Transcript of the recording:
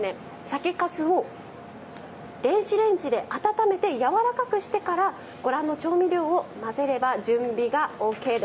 酒かすを電子レンジで温めてやわらかくしてからご覧の調味料を混ぜれば準備がＯＫです。